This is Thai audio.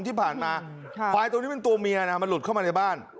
ที่ผ่านมาควายตัวนี้เป็นตัวเมียนะมันหลุดเข้ามาในบ้าน